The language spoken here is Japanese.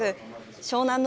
湘南乃